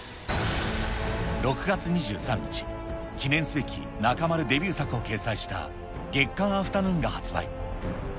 ６月２３日、記念すべき中丸デビュー作を掲載した月刊アフタヌーンが発売。